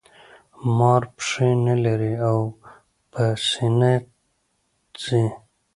مار پښې نلري او په سینه ځي